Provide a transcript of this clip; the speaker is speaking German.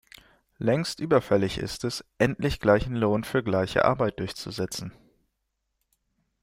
Längst überfällig ist es, endlich gleichen Lohn für gleiche Arbeit durchzusetzen.